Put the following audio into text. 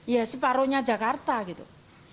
ya separohnya jakarta gitu